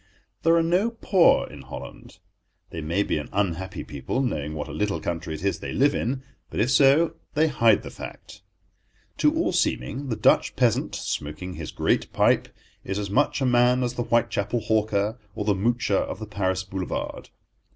There are no poor in Holland. They may be an unhappy people, knowing what a little country it is they live in; but, if so, they hide the fact. To all seeming, the Dutch peasant, smoking his great pipe, is as much a man as the Whitechapel hawker or the moocher of the Paris boulevard.